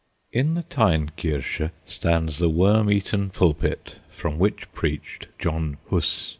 In the Teynkirche stands the worm eaten pulpit from which preached John Huss.